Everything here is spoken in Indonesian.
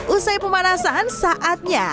usai pemanasan saatnya